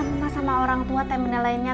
kamu mah sama orang tua teh menilainya teh neneknya